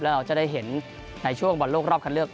เราจะได้เห็นในช่วงบอลโลกรอบคันเลือก